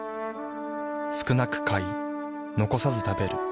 少なく買い残さず食べる。